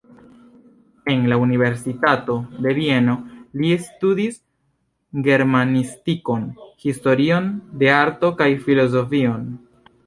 En la universitato de Vieno li studis germanistikon, historion de arto kaj filozofion.